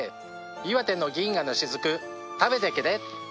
岩手の銀河のしずく食べてけれ。